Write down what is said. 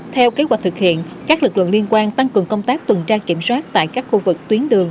theo kế hoạch thực hiện các lực lượng liên quan tăng cường công tác tuần tra kiểm soát tại các khu vực tuyến đường